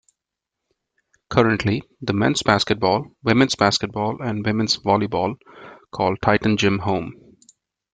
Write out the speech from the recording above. Currently the men's basketball, women's basketball and women's volleyball call Titan Gym home.